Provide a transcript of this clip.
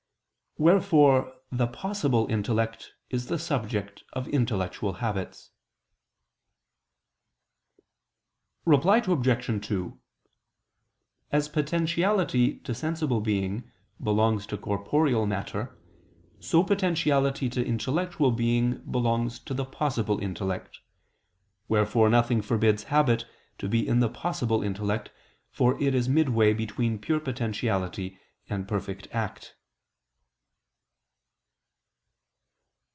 Wherefore the "possible" intellect is the subject of intellectual habits. Reply Obj. 2: As potentiality to sensible being belongs to corporeal matter, so potentiality to intellectual being belongs to the "possible" intellect. Wherefore nothing forbids habit to be in the "possible" intellect, for it is midway between pure potentiality and perfect act.